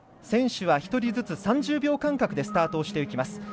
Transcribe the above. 選手は１人ずつ３０秒間隔でスタートをしていきます。